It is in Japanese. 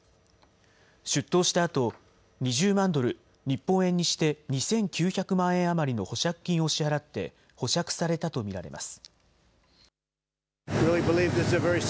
出頭したあと２０万ドル、日本円にして２９００万円余りの保釈金を支払って保釈されたと見られます。